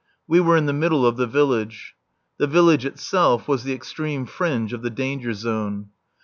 We were in the middle of the village. The village itself was the extreme fringe of the danger zone.